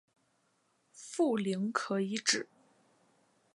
富临可以指